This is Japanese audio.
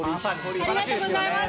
ありがとうございます。